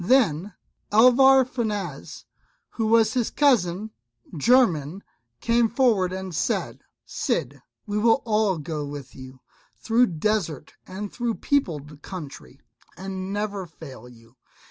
Then Alvar Fanez, who was his cousin german, came forward and said, "Cid, we will all go with you, through desert and through peopled country, and never fail you.